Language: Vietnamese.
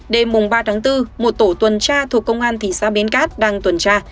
đêm ba tháng bốn một tổ tuần tra thuộc công an thị xã bến cát đang tuần tra